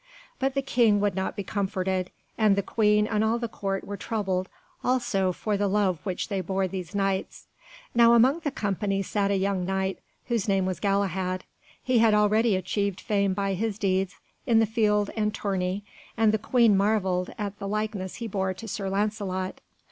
But the King would not be comforted, and the Queen and all the Court were troubled also for the love which they bore these Knights. Now among the company sat a young Knight whose name was Galahad. He had already achieved fame by his deeds in the field and tourney, and the Queen marvelled at the likeness he bore to Sir Lancelot.